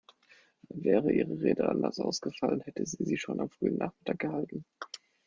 Wäre Ihre Rede anders ausfallen, hätten Sie sie schon am frühen Nachmittag gehalten?